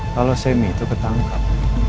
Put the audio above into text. kalau sammy itu ketangkap